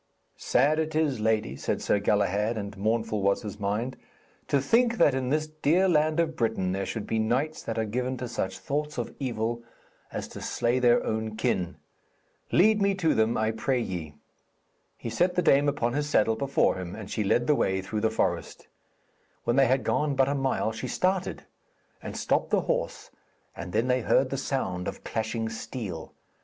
'Sad it is, lady,' said Sir Galahad, and mournful was his mind, 'to think that in this dear land of Britain there should be knights that are given to such thoughts of evil as to slay their own kin. Lead me to them, I pray ye.' He set the dame upon his saddle before him, and she led the way through the forest. When they had gone but a mile she started, and stopped the horse, and then they heard the sound of clashing steel.